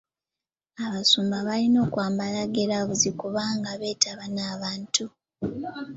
Abasumba balina okwambala giraavuzi kubanga beetaba n'abantu.